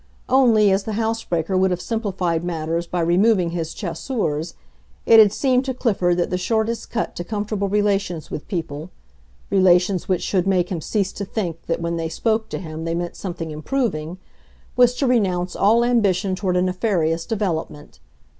Only, as the house breaker would have simplified matters by removing his chaussures, it had seemed to Clifford that the shortest cut to comfortable relations with people—relations which should make him cease to think that when they spoke to him they meant something improving—was to renounce all ambition toward a nefarious development.